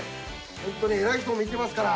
ホントに偉い人も見てますから。